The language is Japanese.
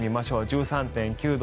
１３．９度。